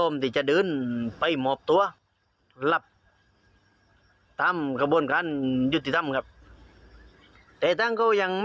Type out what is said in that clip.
ไม่ไปกับพี่น้อง